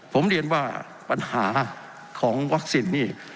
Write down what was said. ผมเรียนว่าปัญหาของวัคซีนนี่